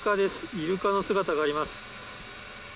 イルカの姿があります。